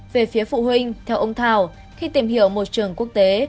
về phía phụ huynh theo ông thảo khi tìm hiểu một trường quốc tế